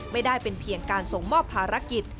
ไม่ได้เป็นเพียงการส่งมอบภารกิจ